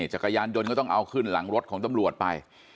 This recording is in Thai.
จักรยานยนต์ก็ต้องเอาขึ้นหลังรถของตำรวจไป